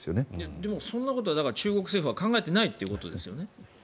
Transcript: でもそんなこと中国政府は考えていないということですよね？